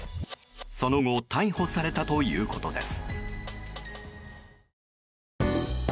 その後逮捕されたということです。